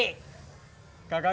kakak dulu dah ngasok